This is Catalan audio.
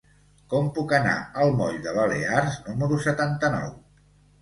Com puc anar al moll de Balears número setanta-nou?